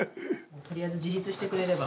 とりあえず自立してくれれば。